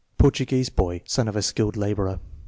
Portuguese boy, son of a skilled laborer.